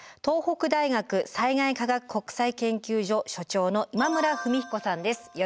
東北大学災害科学国際研究所所長の今村文彦さんです。